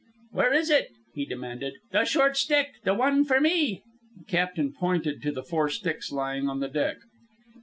"Where is ut?" he demanded. "The short stick? The wan for me?" The captain pointed to the four sticks lying on the deck.